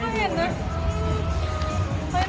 มันก็เห็นนะ